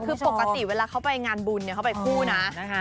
คือปกติเวลาเขาไปงานบุญเขาไปคู่นะ